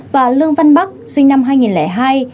và lương văn bắc sinh năm hai nghìn hai